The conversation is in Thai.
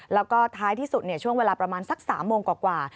แล้วก็ท้ายที่สุดช่วงเวลาประมาณสัก๓โมงกว่า